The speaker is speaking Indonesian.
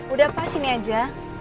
udah pak sini aja